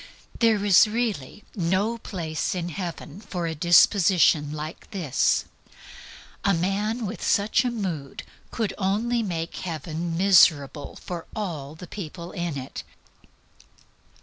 There is really no place in heaven for a disposition like this. A man with such a mood could only make heaven miserable for all the people in it.